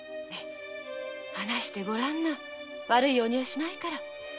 話してごらんな悪いようにはしないから。